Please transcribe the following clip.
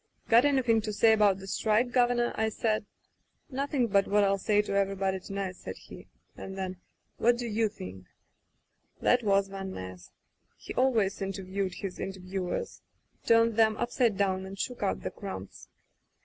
'Got anydiing to say about the strike. Governor?* I said. 'Nothing but what ril say to everybody to night,' said he, and then: 'What do you think ?* "That was Van Ness. He always inter viewed his interviewers. Turned them up side down and shook out the crumbs.